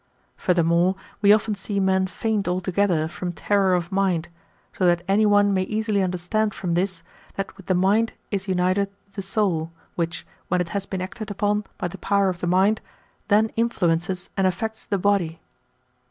Furthermore, we often see men faint altogether from terror of mind ; so that any one may easily understand from this, that with the mind is united the soul, which, when it has been acted upon by the power of the mind, then influences and affects the body.